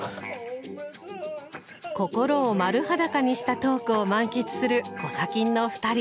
心を丸裸にしたトークを満喫する「コサキン」の２人。